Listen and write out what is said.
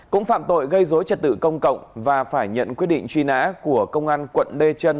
cũng phạm tội gây dối trật tự công cộng và phải nhận quyết định truy nã của công an quận lê trân